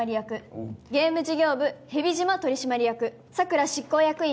おうゲーム事業部蛇島取締役桜執行役員